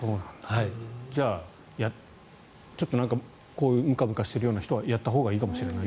じゃあ、ちょっとむかむかしているような人はやったほうがいいかもしれない。